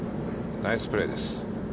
ナイスプレーです。